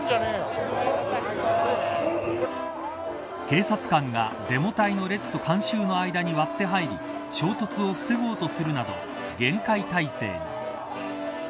警察官がデモ隊の列と観衆の間に割って入り衝突を防ごうとするなど厳戒態勢に。